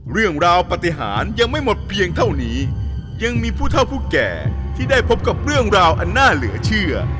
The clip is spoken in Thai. เรื่องราวปฏิหารยังไม่หมดเพียงเท่านี้ยังมีผู้เท่าผู้แก่ที่ได้พบกับเรื่องราวอันน่าเหลือเชื่อ